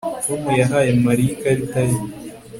Tom yahaye Mariya ikarita ye